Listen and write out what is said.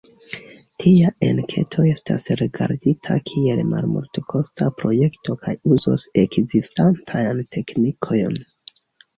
Tia enketo estas rigardita kiel malmultekosta projekto kaj uzos ekzistantajn teknikojn.